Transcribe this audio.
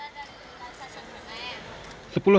jalan jalan dari lukang stasiun bernaik